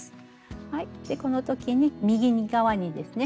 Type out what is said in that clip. はいでこの時に右側にですね